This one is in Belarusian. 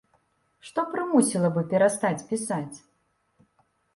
Што прымусіла бы перастаць пісаць?